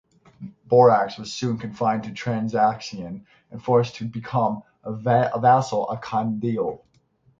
Baraq was soon confined to Transoxiana and forced to become a vassal of Kaidu.